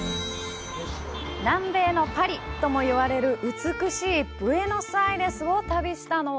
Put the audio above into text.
「南米のパリ」ともいわれる美しいブエノスアイレスを旅したのは？